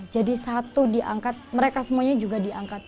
jadi satu diangkat mereka semuanya juga diangkat